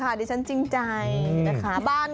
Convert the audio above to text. ดิฉันจริงใจนะคะ